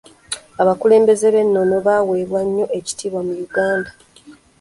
Abakulembeze b'ennono baweebwa nnyo ekitiibwa mu Uganda.